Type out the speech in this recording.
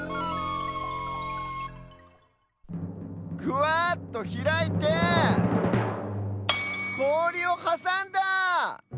ぐわっとひらいてこおりをはさんだ！